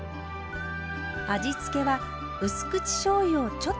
味付けはうす口しょうゆをちょっと。